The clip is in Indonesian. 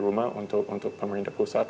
rumah untuk pemerintah pusat